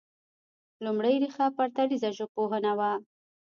لومړۍ ريښه پرتلیره ژبپوهنه وه